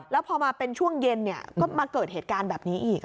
แล้วพอมาเป็นช่วงเย็นก็มาเกิดเหตุการณ์แบบนี้อีก